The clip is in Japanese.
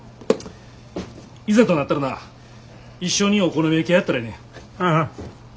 いざとなったらな一緒にお好み焼き屋やったらええねん。